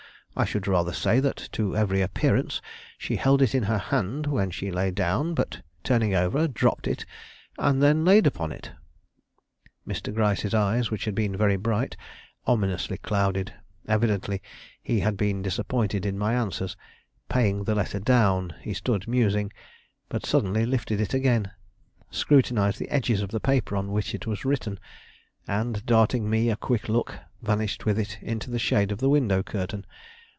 I should rather say that to every appearance she held it in her hand when she lay down, but turning over, dropped it and then laid upon it." Mr. Gryce's eyes, which had been very bright, ominously clouded; evidently he had been disappointed in my answers. Laying the letter down, he stood musing, but suddenly lifted it again, scrutinized the edges of the paper on which it was written, and, darting me a quick look, vanished with it into the shade of the window curtain.